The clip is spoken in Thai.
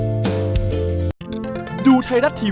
อยากให้เราดูเด็กดูดูสดใสขึ้นแค่นั้นเอง